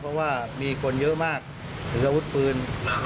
เพราะว่ามีคนเยอะมากถืออาวุธปืน